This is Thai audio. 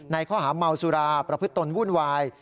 ข้อหาเมาสุราประพฤติตนวุ่นวาย